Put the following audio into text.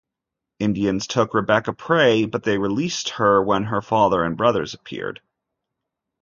Indians took Rebecca Prey, but they released her when her father and brothers appeared.